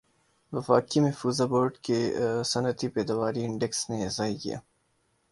وفاقی محفوظہ بورڈ کے صنعتی پیداواری انڈیکس نے ایسا ہی کِیا